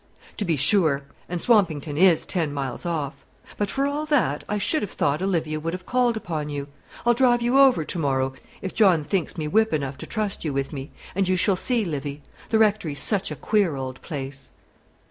"To be sure; and Swampington is ten miles off. But, for all that, I should have thought Olivia would have called upon you. I'll drive you over to morrow, if John thinks me whip enough to trust you with me, and you shall see Livy. The Rectory's such a queer old place!"